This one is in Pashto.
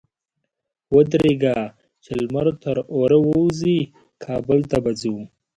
ودرېږه! چې لمر تر اوره ووزي؛ کابل ته به ځو.